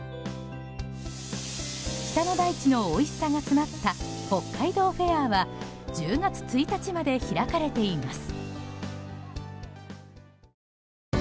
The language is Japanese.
北の大地のおいしさが詰まった北海道フェアは１０月１日まで開かれています。